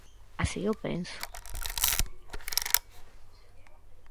Así o penso.